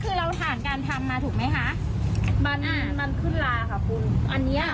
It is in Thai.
คือเราผ่านการทำมาถูกไหมคะมันมันขึ้นลาค่ะคุณอันเนี้ย